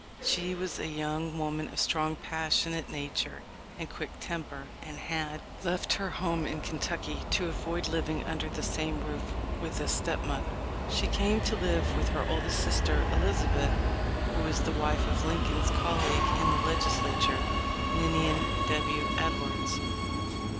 She was a young woman of strong, passionate nature and quick temper, and had "left her home in Kentucky to avoid living under the same roof with a stepmother."* She came to live with her oldest sister, Elizabeth, who was the wife of Lin * Mrs. Edwards, statement, Aug . 3, 1887. 208 THE L1FE 0F LINCOLN, coin's colleague in the Legislature, Ninian W. Edwards.